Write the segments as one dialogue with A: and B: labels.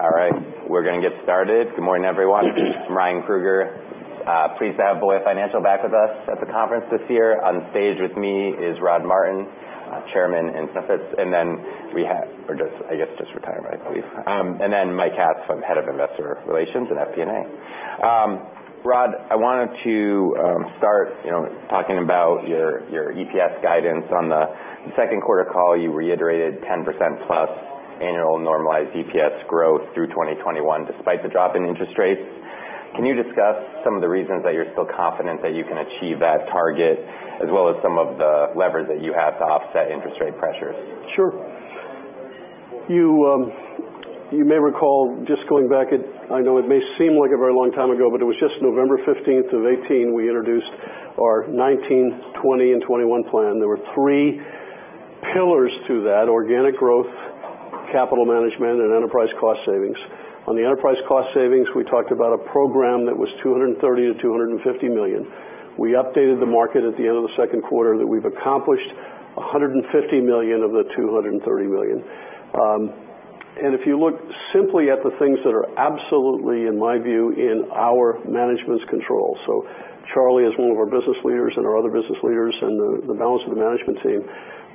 A: All right, we're going to get started. Good morning, everyone. I'm Ryan Krueger. Pleased to have Voya Financial back with us at the conference this year. On stage with me is Rod Martin, chairman. Just retired, right. Mike Katz, head of investor relations at FP&A. Rod, I wanted to start talking about your EPS guidance on the second quarter call. You reiterated 10%-plus annual normalized EPS growth through 2021 despite the drop in interest rates. Can you discuss some of the reasons that you're still confident that you can achieve that target, as well as some of the levers that you have to offset interest rate pressures?
B: Sure. You may recall, just going back, I know it may seem like a very long time ago, but it was just November 15th of 2018, we introduced our 2019, 2020, and 2021 plan. There were three pillars to that: organic growth, capital management, and enterprise cost savings. On the enterprise cost savings, we talked about a program that was $230 million-$250 million. We updated the market at the end of the second quarter that we've accomplished $150 million of the $230 million. If you look simply at the things that are absolutely, in my view, in our management's control. Charlie, as one of our business leaders and our other business leaders and the balance of the management team,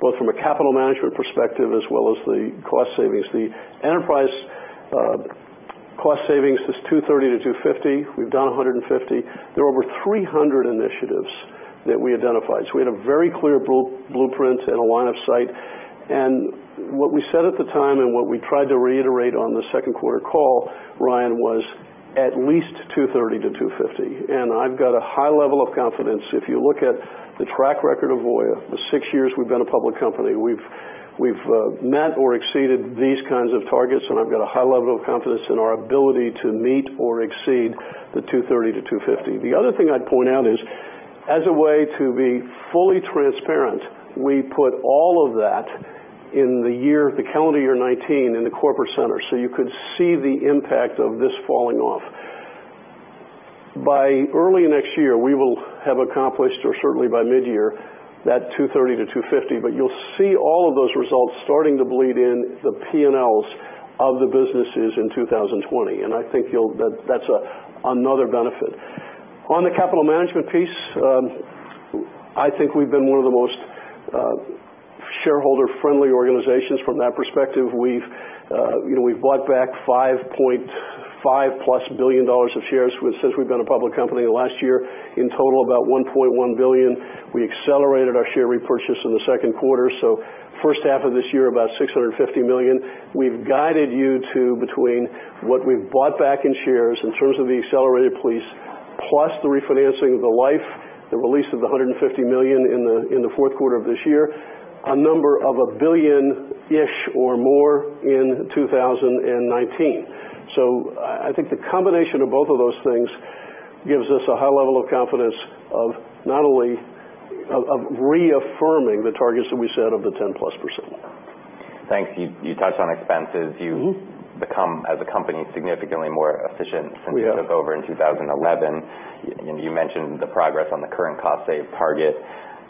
B: both from a capital management perspective as well as the cost savings. The enterprise cost savings is $230 million-$250 million. We've done $150 million. There are over 300 initiatives that we identified. We had a very clear blueprint and a line of sight. What we said at the time, and what we tried to reiterate on the second quarter call, Ryan, was at least $230 million-$250 million. I've got a high level of confidence. If you look at the track record of Voya, the six years we've been a public company, we've met or exceeded these kinds of targets, I've got a high level of confidence in our ability to meet or exceed the $230 million-$250 million. The other thing I'd point out is, as a way to be fully transparent, we put all of that in the calendar year 2019 in the corporate center, you could see the impact of this falling off. By early next year, we will have accomplished, or certainly by mid-year, that $230 million-$250 million you'll see all of those results starting to bleed in the P&Ls of the businesses in 2020, I think that's another benefit. On the capital management piece, I think we've been one of the most shareholder-friendly organizations from that perspective. We've bought back $5.5-plus billion of shares since we've been a public company. Last year, in total, about $1.1 billion. We accelerated our share repurchase in the second quarter, first half of this year, about $650 million. We've guided you to between what we've bought back in shares in terms of the accelerated piece, plus the refinancing of the life, the release of the $150 million in the fourth quarter of this year, a number of a billion-ish or more in 2019. I think the combination of both of those things gives us a high level of confidence of reaffirming the targets that we set of the 10-plus%.
A: Thanks. You touched on expenses. You've become, as a company, significantly more efficient-
B: We have
A: since you took over in 2011. You mentioned the progress on the current cost save target.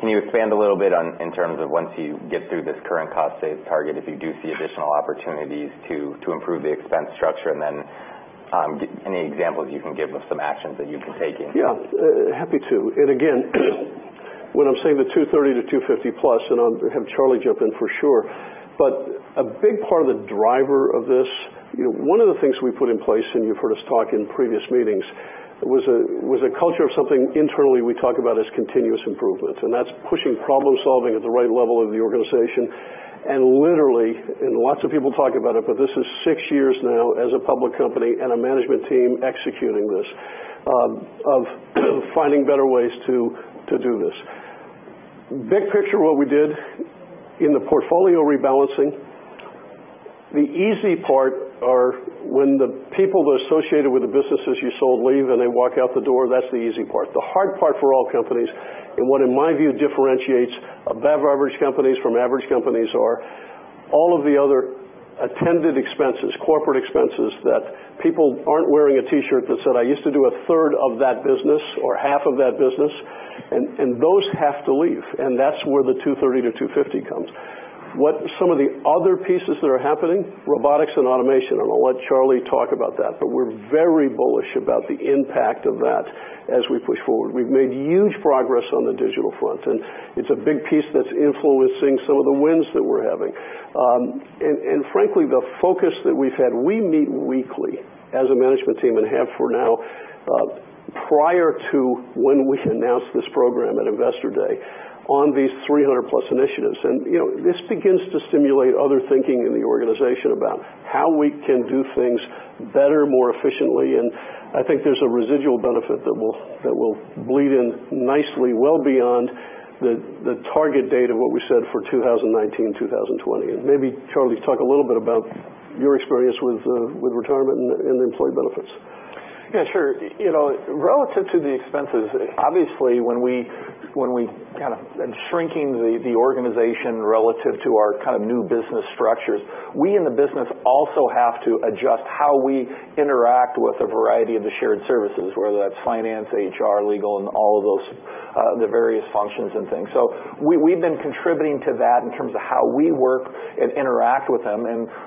A: Can you expand a little bit in terms of once you get through this current cost save target, if you do see additional opportunities to improve the expense structure, and then any examples you can give of some actions that you can take?
B: Yeah. Happy to. Again, when I'm saying the $230-$250 plus, I'll have Charlie jump in for sure, a big part of the driver of this, one of the things we put in place, and you've heard us talk in previous meetings, was a culture of something internally we talk about as continuous improvement, and that's pushing problem-solving at the right level of the organization. Literally, lots of people talk about it, but this is six years now as a public company and a management team executing this, of finding better ways to do this. Big picture, what we did in the portfolio rebalancing, the easy part are when the people associated with the businesses you sold leave and they walk out the door, that's the easy part. The hard part for all companies, what in my view differentiates above average companies from average companies are all of the other attendant expenses, corporate expenses, that people aren't wearing a T-shirt that said, "I used to do a third of that business or half of that business," and those have to leave, and that's where the $230-$250 comes. What some of the other pieces that are happening, robotics and automation, I'll let Charlie talk about that, we're very bullish about the impact of that as we push forward. We've made huge progress on the digital front, it's a big piece that's influencing some of the wins that we're having. Frankly, the focus that we've had, we meet weekly as a management team, and have for now, prior to when we announced this program at Investor Day, on these 300-plus initiatives. This begins to stimulate other thinking in the organization about how we can do things better, more efficiently, I think there's a residual benefit that will bleed in nicely well beyond the target date of what we said for 2019, 2020. Maybe, Charlie, talk a little bit about your experience with retirement and employee benefits.
C: Yeah, sure. Relative to the expenses, obviously, when we kind of been shrinking the organization relative to our new business structures, we in the business also have to adjust how we interact with a variety of the shared services, whether that's finance, HR, legal, and all of those the various functions and things. We've been contributing to that in terms of how we work and interact with them.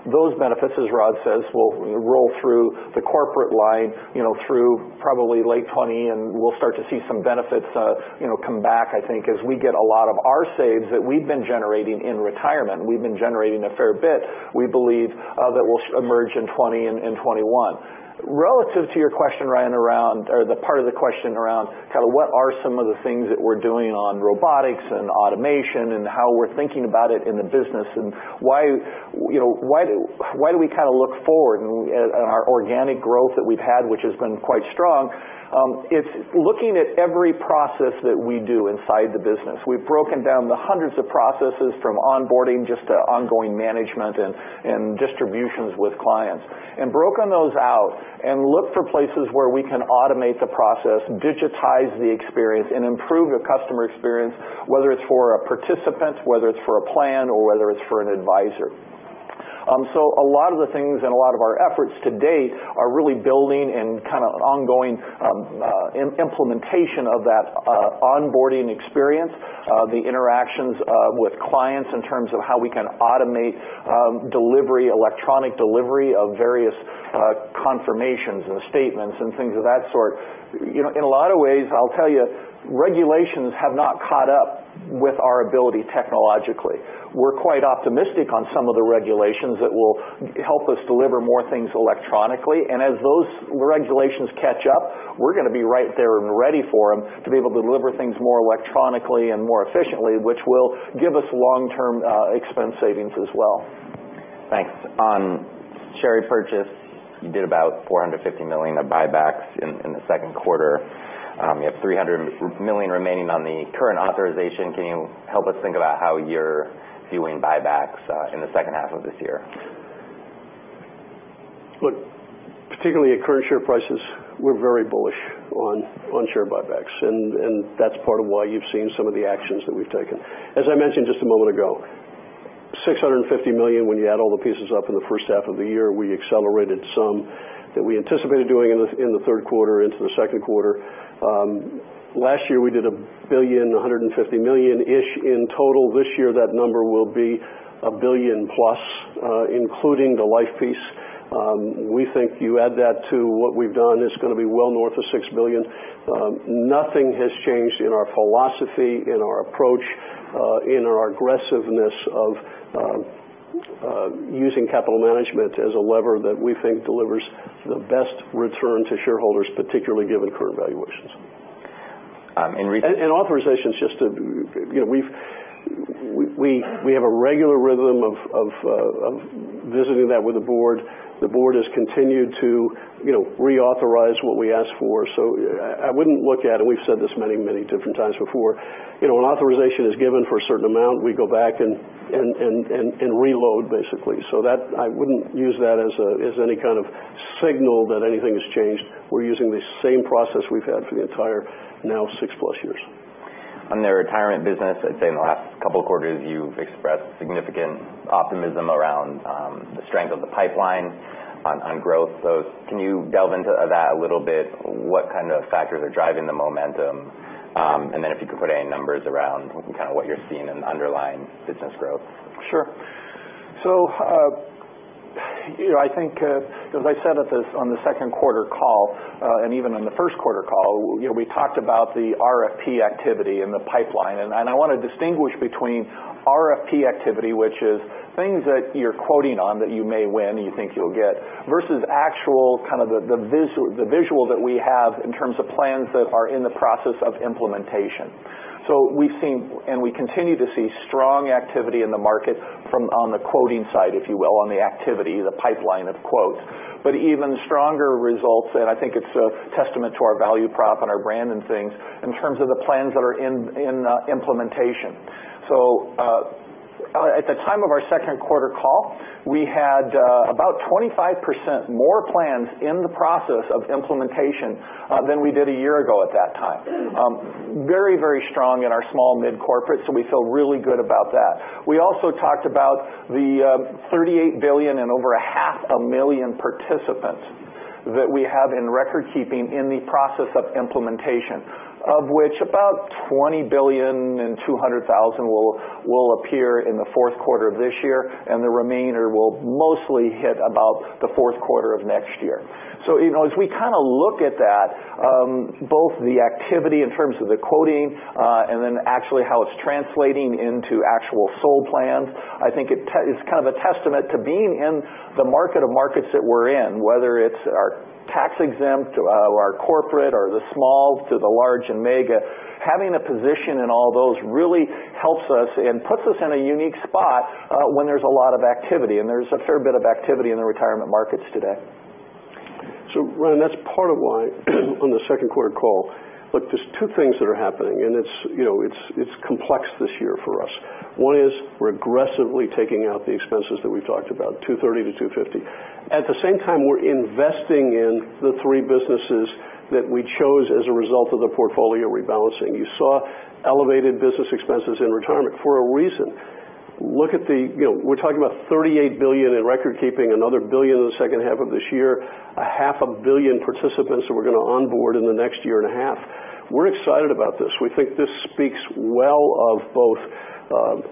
C: Those benefits, as Rod says, will roll through the corporate line through probably late 2020, and we'll start to see some benefits come back, I think, as we get a lot of our saves that we've been generating in retirement, we've been generating a fair bit, we believe that will emerge in 2020 and 2021. Relative to your question, Ryan, or the part of the question around what are some of the things that we're doing on robotics and automation and how we're thinking about it in the business, why do we look forward in our organic growth that we've had, which has been quite strong? It's looking at every process that we do inside the business. We've broken down the hundreds of processes from onboarding just to ongoing management and distributions with clients, and broken those out and looked for places where we can automate the process, digitize the experience, and improve the customer experience, whether it's for a participant, whether it's for a plan, or whether it's for an advisor. A lot of the things and a lot of our efforts to date are really building and ongoing implementation of that onboarding experience, the interactions with clients in terms of how we can automate delivery, electronic delivery of various confirmations and statements and things of that sort. In a lot of ways, I'll tell you, regulations have not caught up with our ability technologically. We're quite optimistic on some of the regulations that will help us deliver more things electronically. As those regulations catch up, we're going to be right there and ready for them to be able to deliver things more electronically and more efficiently, which will give us long-term expense savings as well.
A: Thanks. On share purchase, you did about $450 million of buybacks in the second quarter. You have $300 million remaining on the current authorization. Can you help us think about how you're viewing buybacks in the second half of this year?
B: Particularly at current share prices, we're very bullish on share buybacks, and that's part of why you've seen some of the actions that we've taken. As I mentioned just a moment ago, $650 million, when you add all the pieces up in the first half of the year, we accelerated some that we anticipated doing in the third quarter into the second quarter. Last year, we did $1 billion, $150 million-ish in total. This year, that number will be $1 billion-plus, including the life piece. We think you add that to what we've done, it's going to be well north of $6 billion. Nothing has changed in our philosophy, in our approach, in our aggressiveness of using capital management as a lever that we think delivers the best return to shareholders, particularly given current valuations.
A: And re-
B: Authorizations, we have a regular rhythm of visiting that with the board. The board has continued to reauthorize what we ask for, so I wouldn't look at it. We've said this many different times before. An authorization is given for a certain amount, we go back and reload basically. That, I wouldn't use that as any kind of signal that anything has changed. We're using the same process we've had for the entire now six-plus years.
A: On the retirement business, I'd say in the last couple quarters, you've expressed significant optimism around the strength of the pipeline on growth. Can you delve into that a little bit? What kind of factors are driving the momentum? If you could put any numbers around kind of what you're seeing in underlying business growth.
C: Sure. I think as I said on the second quarter call, even on the first quarter call, we talked about the RFP activity and the pipeline. I want to distinguish between RFP activity, which is things that you're quoting on that you may win and you think you'll get, versus actual kind of the visual that we have in terms of plans that are in the process of implementation. We've seen, we continue to see strong activity in the market from on the quoting side, if you will, on the activity, the pipeline of quotes, but even stronger results, I think it's a testament to our value prop and our brand and things in terms of the plans that are in implementation. At the time of our second quarter call, we had about 25% more plans in the process of implementation than we did a year ago at that time. Very strong in our small mid corporate, we feel really good about that. We also talked about the $38 billion and over a half a million participants that we have in recordkeeping in the process of implementation, of which about $20 billion and 200,000 will appear in the fourth quarter of this year, and the remainder will mostly hit about the fourth quarter of next year. As we look at that, both the activity in terms of the quoting, then actually how it's translating into actual sold plans, I think it's kind of a testament to being in the market of markets that we're in, whether it's our tax-exempt or our corporate or the small to the large and mega. Having a position in all those really helps us and puts us in a unique spot when there's a lot of activity, there's a fair bit of activity in the retirement markets today.
B: Ryan, that's part of why on the second quarter call, look, there's two things that are happening, it's complex this year for us. One is we're aggressively taking out the expenses that we've talked about, $230 million-$250 million. At the same time, we're investing in the three businesses that we chose as a result of the portfolio rebalancing. You saw elevated business expenses in retirement for a reason. We're talking about $38 billion in recordkeeping, another $1 billion in the second half of this year, a half a billion participants that we're going to onboard in the next year and a half. We're excited about this. We think this speaks well of both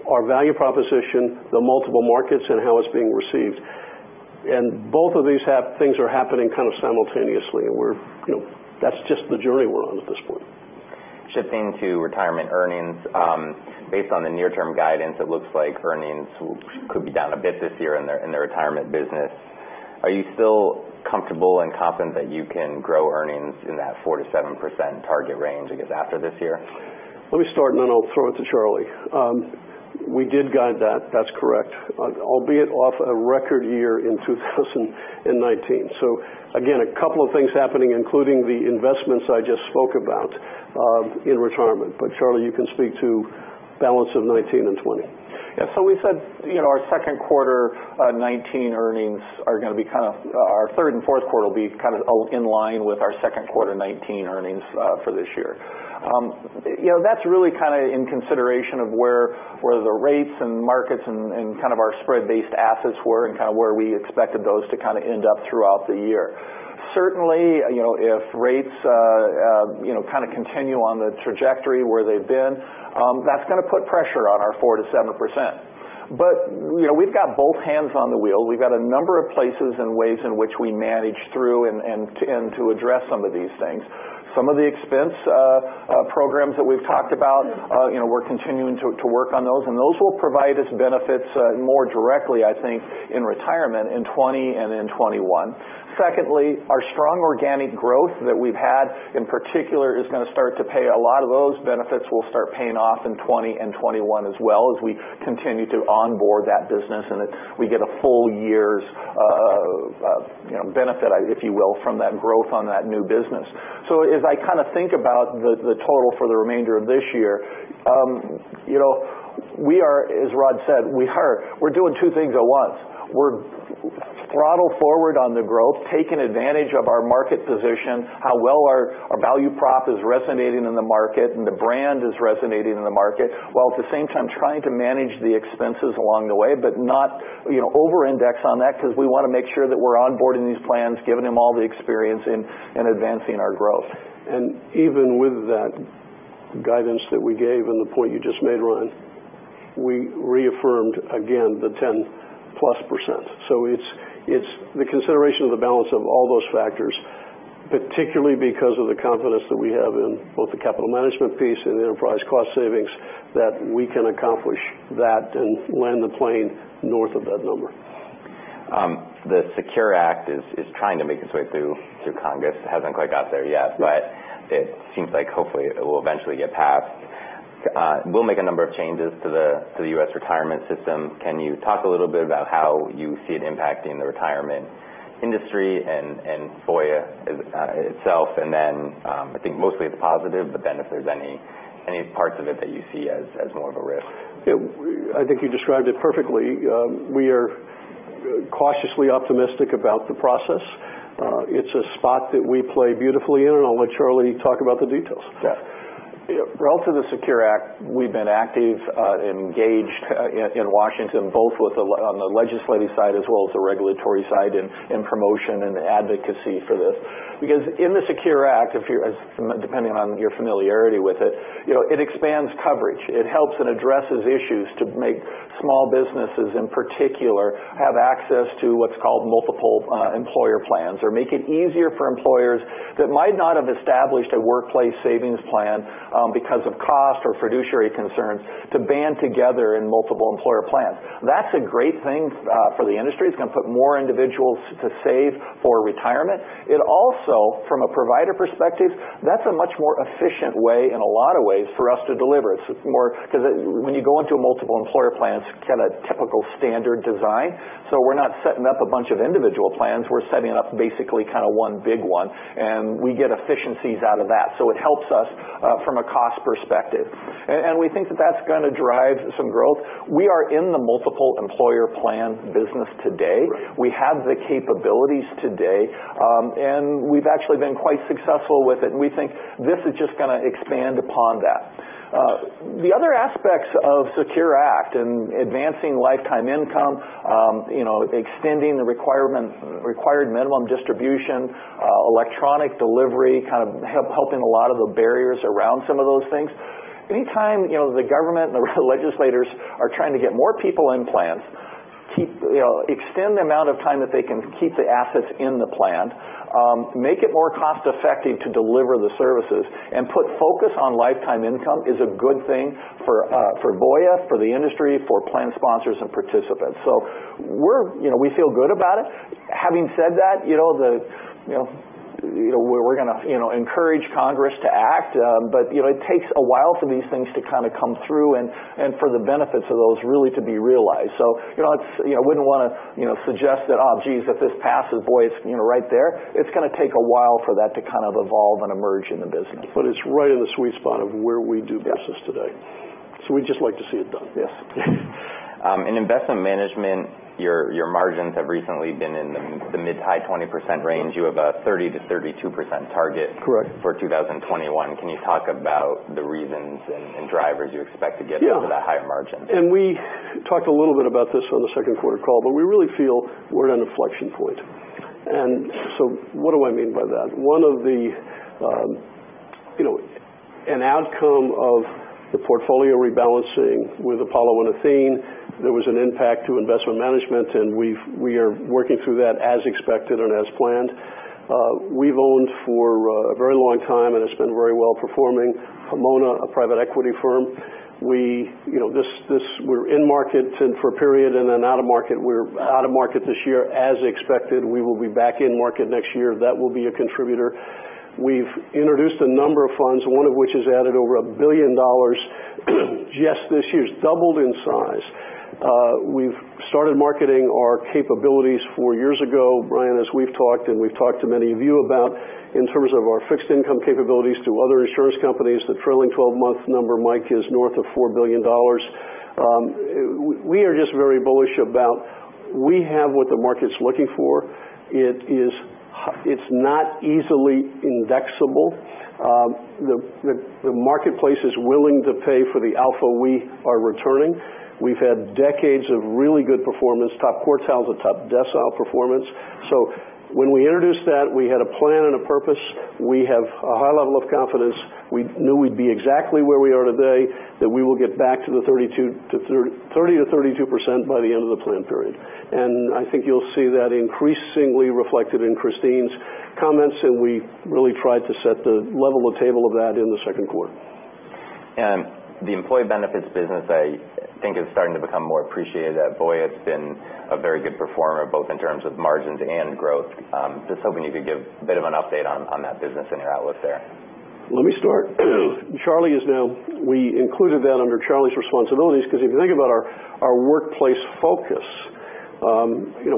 B: our value proposition, the multiple markets, and how it's being received. Both of these things are happening kind of simultaneously, that's just the journey we're on at this point.
A: Shifting to Retirement earnings. Based on the near-term guidance, it looks like earnings could be down a bit this year in the Retirement business. Are you still comfortable and confident that you can grow earnings in that 4%-7% target range, I guess, after this year?
B: Let me start, and then I'll throw it to Charlie. We did guide that's correct. Albeit off a record year in 2019. Again, a couple of things happening, including the investments I just spoke about in Retirement. Charlie, you can speak to the balance of 2019 and 2020.
C: Yeah. We said our second quarter 2019 earnings are going to be Our third and fourth quarter will be kind of in line with our second quarter 2019 earnings for this year. That's really kind of in consideration of where the rates and markets and kind of our spread-based assets were and kind of where we expected those to kind of end up throughout the year. Certainly, if rates kind of continue on the trajectory where they've been, that's going to put pressure on our 4%-7%. We've got both hands on the wheel. We've got a number of places and ways in which we manage through and to address some of these things. Some of the expense programs that we've talked about, we're continuing to work on those. Those will provide us benefits more directly, I think, in Retirement in 2020 and in 2021. Secondly, our strong organic growth that we've had, in particular, is going to start to pay a lot of those benefits will start paying off in 2020 and 2021 as well as we continue to onboard that business and we get a full year's benefit, if you will, from that growth on that new business. As I kind of think about the total for the remainder of this year, we are, as Rod said, we're doing two things at once. We're throttle forward on the growth, taking advantage of our market position, how well our value prop is resonating in the market, and the brand is resonating in the market, while at the same time trying to manage the expenses along the way, but not over-index on that because we want to make sure that we're onboarding these plans, giving them all the experience, and advancing our growth.
B: Even with that guidance that we gave and the point you just made, Ryan, we reaffirmed again the 10-plus %. It's the consideration of the balance of all those factors, particularly because of the confidence that we have in both the capital management piece and the enterprise cost savings, that we can accomplish that and land the plane north of that number.
A: The SECURE Act is trying to make its way through Congress. It hasn't quite got there yet, but it seems like hopefully it will eventually get passed. It will make a number of changes to the U.S. retirement system. Can you talk a little bit about how you see it impacting the retirement industry and Voya itself, I think mostly it's positive, if there are any parts of it that you see as more of a risk?
B: I think you described it perfectly. We are cautiously optimistic about the process. It's a spot that we play beautifully in, I'll let Charlie talk about the details.
C: Relative to the SECURE Act, we've been active, engaged in Washington, both on the legislative side as well as the regulatory side in promotion and advocacy for this. Because in the SECURE Act, depending on your familiarity with it expands coverage. It helps and addresses issues to make small businesses, in particular, have access to what's called multiple employer plans or make it easier for employers that might not have established a workplace savings plan because of cost or fiduciary concerns to band together in multiple employer plans. That's a great thing for the industry. It's going to put more individuals to save for retirement. It also, from a provider perspective, that's a much more efficient way in a lot of ways for us to deliver. Because when you go into a multiple employer plan, it's kind of typical standard design. We're not setting up a bunch of individual plans, we're setting up basically one big one, and we get efficiencies out of that. It helps us from a cost perspective. We think that that's going to drive some growth. We are in the multiple employer plan business today.
B: Right.
C: We have the capabilities today. We've actually been quite successful with it, and we think this is just going to expand upon that. The other aspects of SECURE Act and advancing lifetime income, extending the required minimum distribution, electronic delivery, kind of helping a lot of the barriers around some of those things. Anytime the government and the legislators are trying to get more people in plans, extend the amount of time that they can keep the assets in the plan, make it more cost-effective to deliver the services, and put focus on lifetime income is a good thing for Voya, for the industry, for plan sponsors, and participants. We feel good about it. Having said that, we're going to encourage Congress to act. It takes a while for these things to kind of come through and for the benefits of those really to be realized. I wouldn't want to suggest that, oh, geez, if this passes Voya's right there. It's going to take a while for that to kind of evolve and emerge in the business.
B: It's right in the sweet spot of where we do business today.
C: Yes.
B: We'd just like to see it done.
C: Yes.
A: In investment management, your margins have recently been in the mid-high 20% range. You have a 30% to 32% target-
B: Correct
A: for 2021. Can you talk about the reasons and drivers you expect to get-
B: Yeah
A: to that high margin?
B: We talked a little bit about this on the second quarter call, we really feel we're at an inflection point. What do I mean by that? An outcome of the portfolio rebalancing with Apollo and Athene, there was an impact to investment management, and we are working through that as expected and as planned. We've owned for a very long time, and it's been very well-performing, Pomona, a private equity firm. We're in market for a period and then out of market. We're out of market this year as expected. We will be back in market next year. That will be a contributor. We've introduced a number of funds, one of which has added over $1 billion just this year. It's doubled in size. We've started marketing our capabilities four years ago. Brian, as we've talked, we've talked to many of you about in terms of our fixed income capabilities to other insurance companies, the trailing 12-month number, Mike, is north of $4 billion. We are just very bullish about we have what the market's looking for. It's not easily indexable. The marketplace is willing to pay for the alpha we are returning. We've had decades of really good performance, top quartile to top decile performance. When we introduced that, we had a plan and a purpose. We have a high level of confidence. We knew we'd be exactly where we are today, that we will get back to the 30%-32% by the end of the plan period. I think you'll see that increasingly reflected in Christine's comments, we really tried to level the table of that in the second quarter.
A: The employee benefits business, I think is starting to become more appreciated at Voya. It's been a very good performer, both in terms of margins and growth. Just hoping you could give a bit of an update on that business and your outlook there.
B: Let me start. We included that under Charlie's responsibilities because if you think about our workplace focus,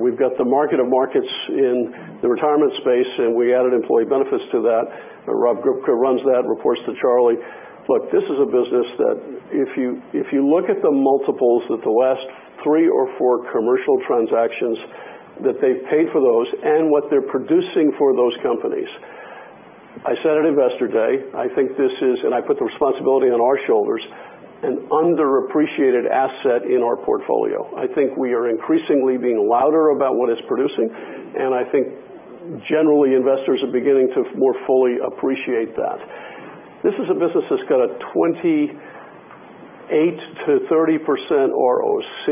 B: we've got the market of markets in the retirement space, and we added employee benefits to that. Rob Grubka runs that, reports to Charlie. Look, this is a business that if you look at the multiples of the last three or four commercial transactions that they've paid for those and what they're producing for those companies. I said at Investor Day, I think this is, and I put the responsibility on our shoulders, an underappreciated asset in our portfolio. I think we are increasingly being louder about what it's producing, and I think generally investors are beginning to more fully appreciate that. This is a business that's got a 28%-30% ROC.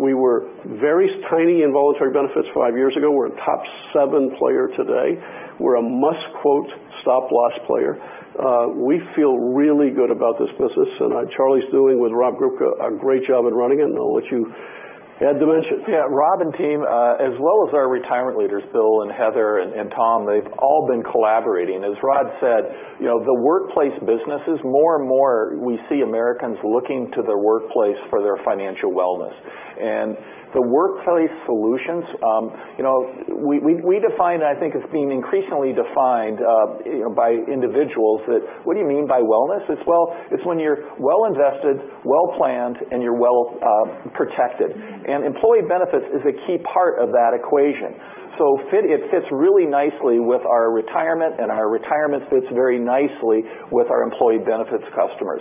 B: We were very tiny in voluntary benefits five years ago. We're a top seven player today. We're a must-quote, stop-loss player. We feel really good about this business, Charlie's doing, with Rob Grubka, a great job in running it, I'll let you add dimension.
C: Yeah, Rob and team, as well as our retirement leaders, Bill and Heather and Tom, they've all been collaborating. As Rod said, the workplace business is more and more we see Americans looking to their workplace for their financial wellness. The workplace solutions, we define, I think it's being increasingly defined by individuals that, what do you mean by wellness? It's when you're well invested, well planned, and you're well protected. Employee benefits is a key part of that equation. It fits really nicely with our retirement, and our retirement fits very nicely with our employee benefits customers.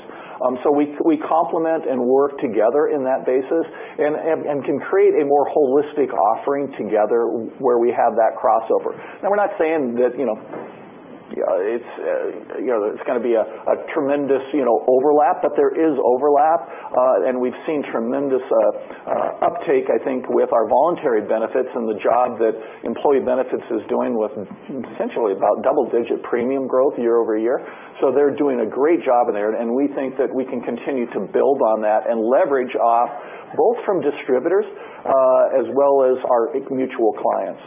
C: We complement and work together in that basis and can create a more holistic offering together where we have that crossover. Now we're not saying that it's going to be a tremendous overlap, but there is overlap. We've seen tremendous uptake, I think, with our voluntary benefits and the job that employee benefits is doing with essentially about double-digit premium growth year-over-year. They're doing a great job in there, we think that we can continue to build on that and leverage off both from distributors as well as our mutual clients.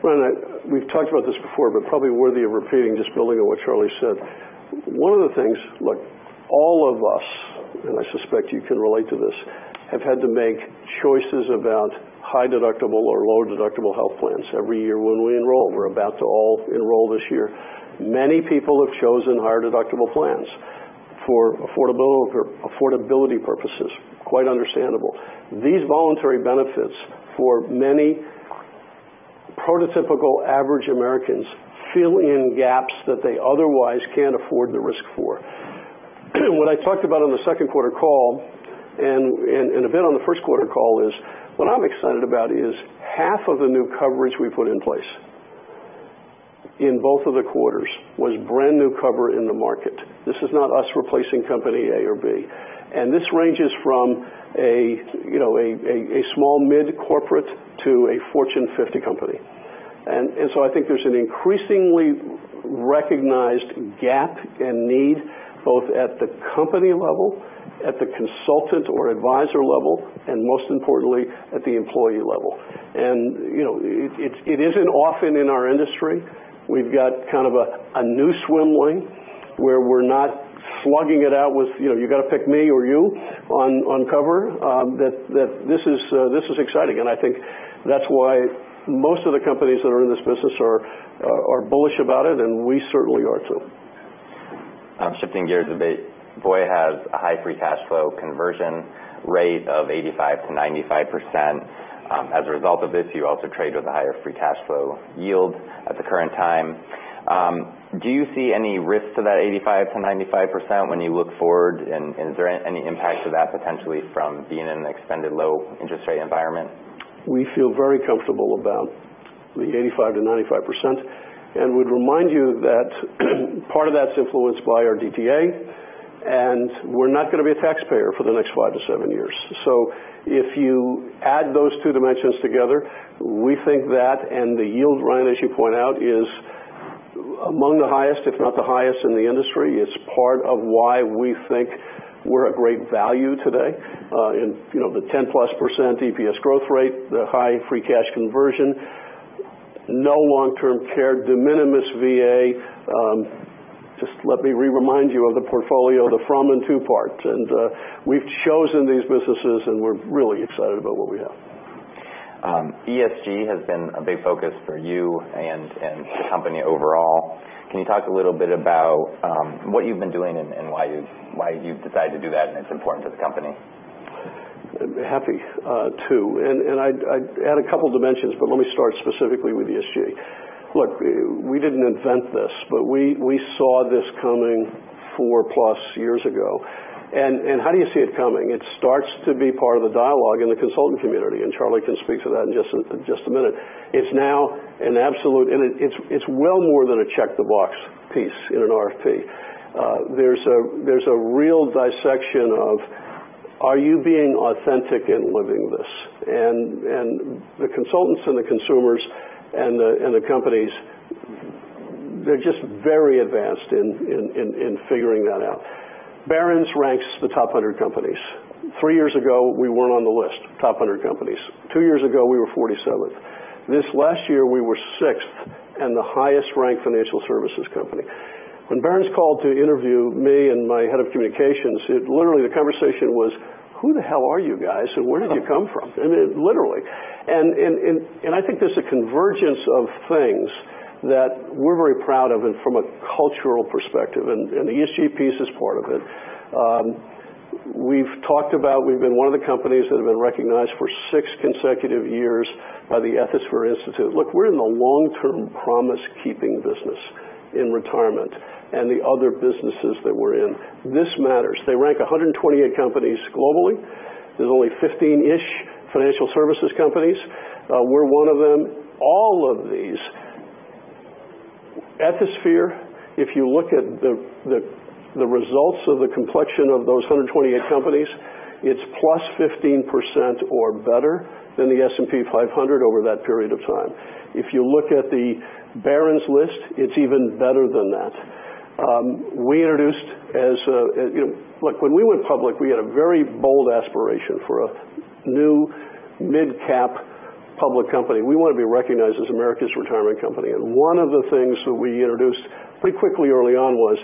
B: Brian, we've talked about this before, but probably worthy of repeating, just building on what Charlie said. One of the things, look, all of us, and I suspect you can relate to this, have had to make choices about high-deductible or low-deductible health plans every year when we enroll. We're about to all enroll this year. Many people have chosen higher deductible plans for affordability purposes. Quite understandable. These voluntary benefits, for many prototypical average Americans, fill in gaps that they otherwise can't afford the risk for. What I talked about on the second quarter call, and a bit on the first quarter call is, what I'm excited about is half of the new coverage we put in place in both of the quarters was brand-new cover in the market. This is not us replacing company A or B. This ranges from a small mid-corporate to a Fortune 50 company. I think there's an increasingly recognized gap and need, both at the company level, at the consultant or advisor level, and most importantly, at the employee level. It isn't often in our industry we've got kind of a new swim lane where we're not slugging it out with, you got to pick me or you on cover. This is exciting, and I think that's why most of the companies that are in this business are bullish about it, and we certainly are, too.
A: Shifting gears a bit. Voya has a high free cash flow conversion rate of 85%-95%. As a result of this, you also trade with a higher free cash flow yield at the current time. Do you see any risk to that 85%-95% when you look forward, and is there any impact to that potentially from being in an extended low interest rate environment?
B: We feel very comfortable about the 85%-95%, and would remind you that part of that's influenced by our DTA, and we're not going to be a taxpayer for the next five to seven years. If you add those two dimensions together, we think that, and the yield, Ryan, as you point out, is among the highest, if not the highest in the industry. It's part of why we think we're a great value today. In the 10-plus % EPS growth rate, the high free cash conversion, no long-term care, de minimis VA. Just let me re-remind you of the portfolio, the from and to part. We've chosen these businesses, and we're really excited about what we have.
A: ESG has been a big focus for you and the company overall. Can you talk a little bit about what you've been doing and why you've decided to do that, and it's important to the company?
B: Happy to. I had a couple dimensions, but let me start specifically with ESG. Look, we didn't invent this, but we saw this coming four-plus years ago. How do you see it coming? It starts to be part of the dialogue in the consultant community, and Charlie can speak to that in just a minute. It's now an absolute, and it's well more than a check-the-box piece in an RFP. There's a real dissection of are you being authentic in living this? The consultants and the consumers and the companies, they're just very advanced in figuring that out. Barron's ranks the top 100 companies. Three years ago, we weren't on the list, top 100 companies. Two years ago, we were 47th. This last year, we were sixth, and the highest ranked financial services company. When Barron's called to interview me and my head of communications, literally the conversation was, "Who the hell are you guys and where did you come from?" I mean, literally. I think there's a convergence of things that we're very proud of and from a cultural perspective, and the ESG piece is part of it. We've talked about, we've been one of the companies that have been recognized for six consecutive years by the Ethisphere Institute. Look, we're in the long-term promise keeping business in retirement and the other businesses that we're in. This matters. They rank 128 companies globally. There's only 15-ish financial services companies. We're one of them. All of these. Ethisphere, if you look at the results of the complexion of those 128 companies, it's +15% or better than the S&P 500 over that period of time. If you look at the Barron's list, it's even better than that. Look, when we went public, we had a very bold aspiration for a new mid-cap public company. We want to be recognized as America's retirement company, and one of the things that we introduced pretty quickly early on was,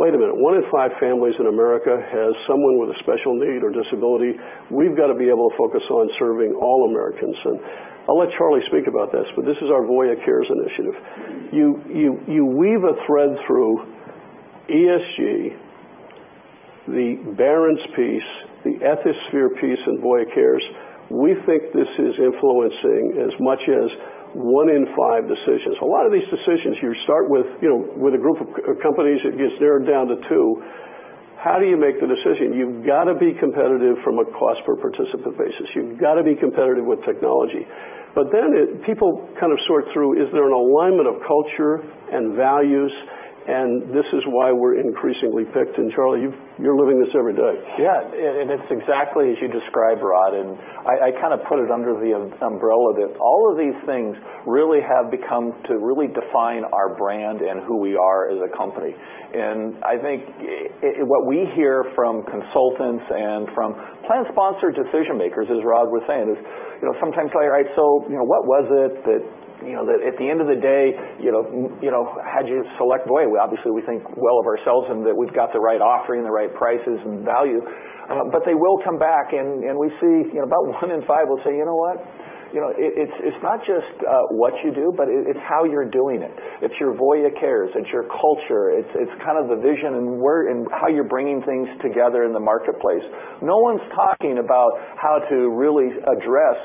B: wait a minute, one in five families in America has someone with a special need or disability. We've got to be able to focus on serving all Americans. I'll let Charlie speak about this, but this is our Voya Cares initiative. You weave a thread through ESG, the Barron's piece, the Ethisphere piece, and Voya Cares. We think this is influencing as much as one in five decisions. A lot of these decisions, you start with a group of companies, it gets narrowed down to two. How do you make the decision? You've got to be competitive from a cost per participant basis. You've got to be competitive with technology. People sort through, is there an alignment of culture and values? This is why we're increasingly picked. Charlie, you're living this every day.
C: Yeah. It's exactly as you describe, Rod. I put it under the umbrella that all of these things really have become to really define our brand and who we are as a company. I think what we hear from consultants and from plan sponsor decision makers, as Rod was saying, is sometimes play right. What was it that at the end of the day how'd you select Voya? Obviously, we think well of ourselves and that we've got the right offering, the right prices and value. They will come back and we see about one in five will say, "You know what? It's not just what you do, but it's how you're doing it. It's your Voya Cares, it's your culture. It's the vision and how you're bringing things together in the marketplace." No one's talking about how to really address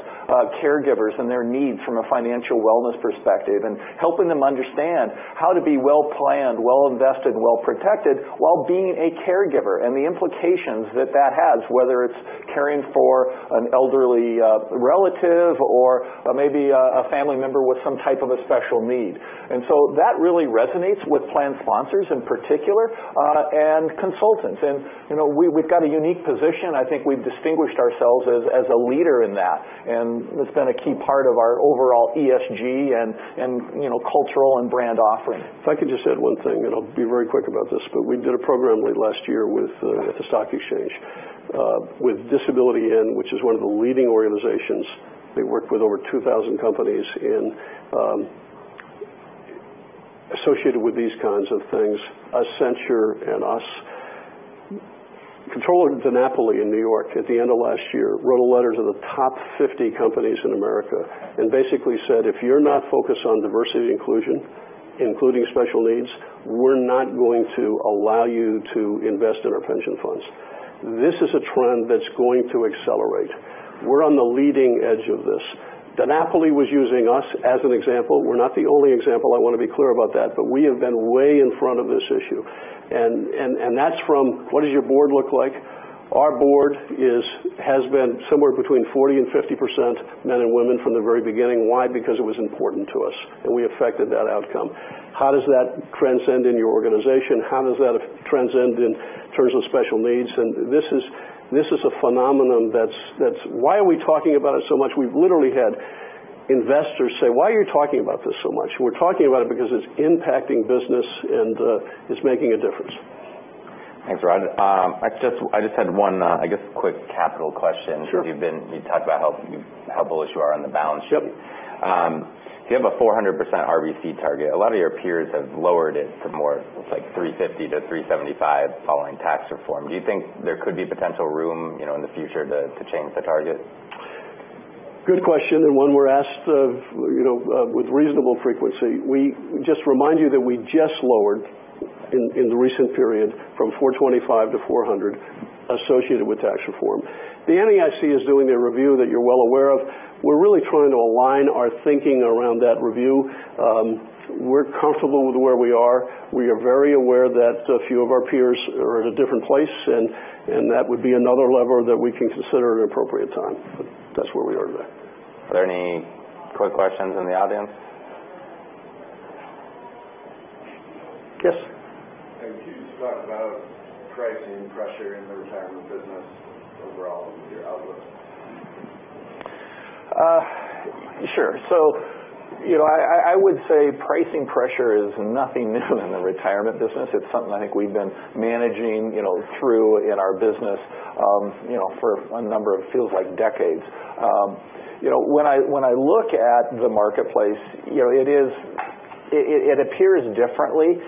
C: caregivers and their needs from a financial wellness perspective and helping them understand how to be well-planned, well-invested, and well-protected while being a caregiver and the implications that that has, whether it's caring for an elderly relative or maybe a family member with some type of a special need. That really resonates with plan sponsors in particular, and consultants. We've got a unique position. I think we've distinguished ourselves as a leader in that, and it's been a key part of our overall ESG and cultural and brand offering.
B: If I could just add one thing, I'll be very quick about this, we did a program late last year at the stock exchange, with Disability:IN, which is one of the leading organizations. They work with over 2,000 companies associated with these kinds of things, Accenture and us. Comptroller DiNapoli in New York at the end of last year wrote a letter to the top 50 companies in America basically said, "If you're not focused on diversity inclusion, including special needs, we're not going to allow you to invest in our pension funds. This is a trend that's going to accelerate. We're on the leading edge of this. DiNapoli was using us as an example. We're not the only example, I want to be clear about that, but we have been way in front of this issue. That's from what does your board look like? Our board has been somewhere between 40% and 50% men and women from the very beginning. Why? Because it was important to us, and we affected that outcome. How does that transcend in your organization? How does that transcend in terms of special needs? This is a phenomenon. Why are we talking about it so much? We've literally had investors say, "Why are you talking about this so much?" We're talking about it because it's impacting business and it's making a difference.
A: Thanks, Rod. I just had one, I guess, quick capital question.
B: Sure.
A: You talked about how bullish you are on the balance sheet.
B: Sure.
A: You have a 400% RBC target. A lot of your peers have lowered it to more, it's like 350%-375% following tax reform. Do you think there could be potential room in the future to change the target?
B: Good question, and one we're asked with reasonable frequency. Just remind you that we just lowered in the recent period from 425 to 400 associated with tax reform. The NAIC is doing a review that you're well aware of. We're really trying to align our thinking around that review. We're comfortable with where we are. We are very aware that a few of our peers are at a different place, and that would be another lever that we can consider at an appropriate time. That's where we are today.
A: Are there any quick questions in the audience?
C: Yes. Can you talk about pricing pressure in the retirement business overall with your outlook? Sure. I would say pricing pressure is nothing new in the retirement business. It's something I think we've been managing through in our business for a number of, feels like decades. When I look at the marketplace, it appears differently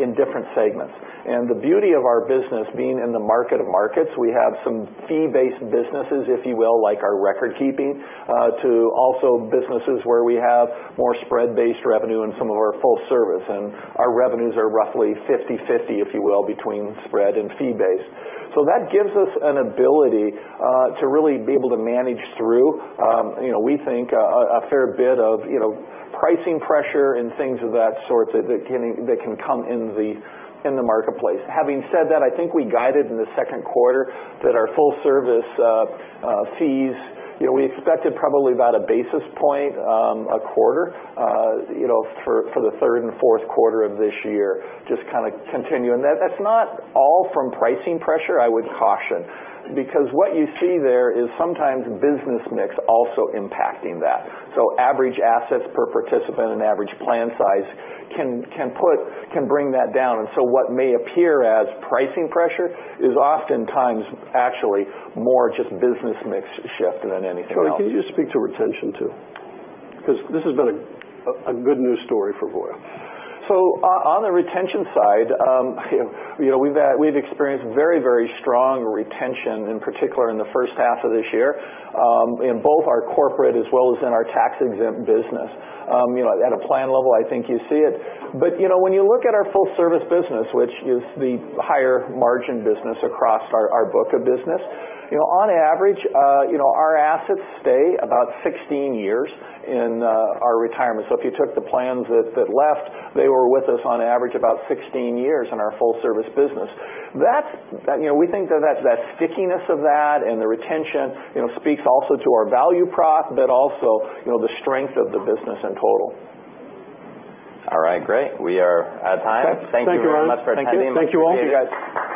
C: in different segments. The beauty of our business being in the market of markets, we have some fee-based businesses, if you will, like our record keeping to also businesses where we have more spread-based revenue in some of our full service. Our revenues are roughly 50/50, if you will, between spread and fee based. That gives us an ability to really be able to manage through, we think a fair bit of pricing pressure and things of that sort that can come in the marketplace. Having said that, I think we guided in the second quarter that our full service fees, we expected probably about a basis point a quarter for the third and fourth quarter of this year, just kind of continuing. That's not all from pricing pressure, I would caution. Because what you see there is sometimes business mix also impacting that. Average assets per participant and average plan size can bring that down. What may appear as pricing pressure is oftentimes actually more just business mix shift than anything else.
A: Charlie, can you just speak to retention too? Because this has been a good news story for Voya.
C: On the retention side, we've experienced very strong retention, in particular in the first half of this year, in both our corporate as well as in our tax exempt business. At a plan level, I think you see it. When you look at our full service business, which is the higher margin business across our book of business, on average our assets stay about 16 years in our retirement. If you took the plans that left, they were with us on average about 16 years in our full service business. We think that stickiness of that and the retention speaks also to our value prop, but also the strength of the business in total.
A: All right. Great. We are out of time.
C: Okay. Thank you, Adam.
A: Thank you very much for attending.
C: Thank you. Thank you all.
A: Thank you, guys.